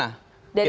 dari hasil beberapa